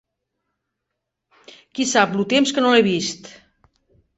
Qui-sap-lo temps que no l'he vist!